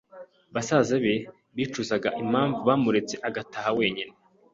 Basaza be bicuzaga impamvu bamuretse agataha wenyine